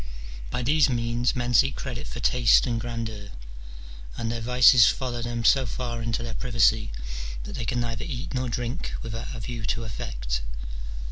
By these means men seek credit for taste X 306 MINOR DIALOGUES. [bK. X. and grandeur, and their vices follow them so far into their privacy that they can neither eat nor drink without a view to effect.